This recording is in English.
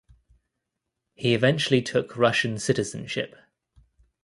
He eventually took Russian citizenship.